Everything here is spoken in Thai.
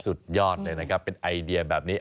สุดยอดเลยนะครับเป็นไอเดียแบบนี้